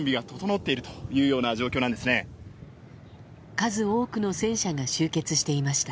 数多くの戦車が集結していました。